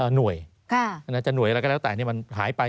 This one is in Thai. หน่วยมันอาจจะหน่วยอะไรก็แล้วแต่อย่างนี้มันหายไป